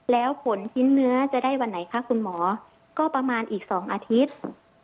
แล้วผลชิ้นเนื้อจะได้วันไหนคะคุณหมอก็ประมาณอีก๒อาทิตย์